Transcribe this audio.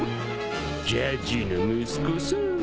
ジャッジの息子さん。